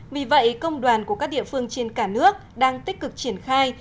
vì vậy công đoàn của các địa phương trên cả nước đang tích cực triển khai